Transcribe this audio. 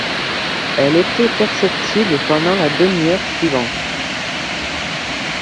Elle était perceptible pendant la demi-heure suivante.